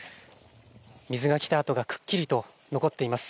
水が来た跡がくっきりと残っています。